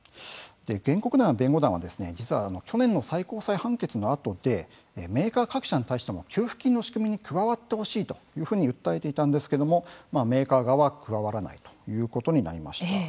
原告団や弁護団は実は去年の最高裁判決のあとでメーカー各社に対しても給付金の仕組みに加わってほしいというふうに訴えていたんですけどもメーカー側は加わらないということになりました。